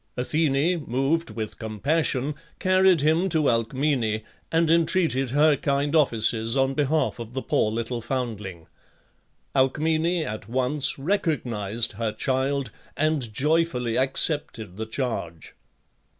Athene, moved with compassion, carried him to Alcmene, and entreated her kind offices on behalf of the poor little foundling. Alcmene at once recognized her child, and joyfully accepted the charge.